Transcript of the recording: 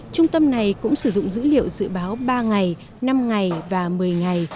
trung tâm này cũng sử dụng dữ liệu dự báo ba ngày năm ngày và một mươi ngày